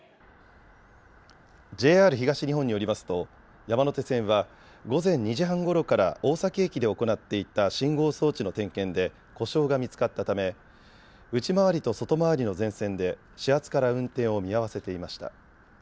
ＪＲ東日本によりますと山手線は午前２時半ごろから大崎駅で行っていた信号装置の点検で故障が見つかったため内回りと外回りの全線で始発から運転を見合わせていました。